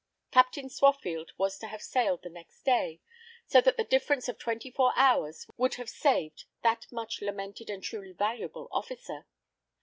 Captain Swaffield was to have sailed the next day, so that the difference of twenty four hours would have saved that much lamented and truly valuable officer.